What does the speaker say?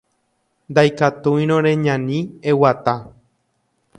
Ndaikatúirõ reñani, eguata